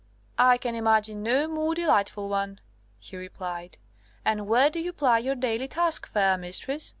"I can imagine no more delightful one," he replied; "and where do you ply your daily task, fair mistress?